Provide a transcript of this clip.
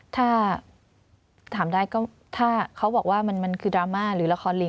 ถ้าถามได้ก็ถ้าเขาบอกว่ามันคือดราม่าหรือละครลิง